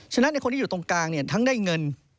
ฉะนั้นคนที่อยู่ตรงกลางเนี่ยทั้งได้เงิน